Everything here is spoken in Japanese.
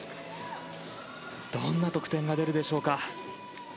どんな得点が出るでしょうか。